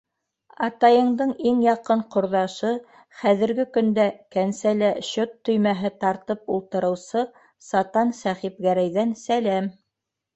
Атайыңдың иң яҡын ҡорҙашы, хәҙергеһе көндә кәнсәлә счёт төймәһе тартып ултырыусы сатан Сәхипгәрәйҙән сәләм.